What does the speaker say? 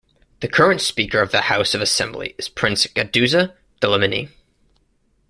The current Speaker of the House of Assembly is Prince Guduza Dlamini.